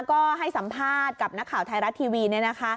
ก็ให้สัมภาษณ์กับหน้าข่าวไทรัตทีวีเนี่ย